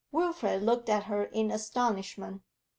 Wilfrid looked at her in astonishment.